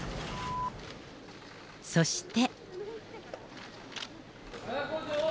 そして。